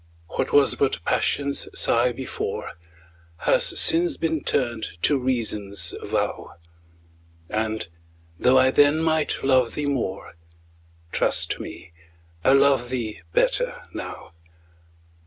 What was but Passion's sigh before, Has since been turned to Reason's vow; And, though I then might love thee more, Trust me, I love thee better now.